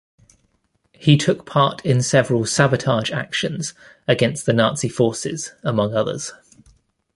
He took part in several sabotage actions against the Nazi forces, among others.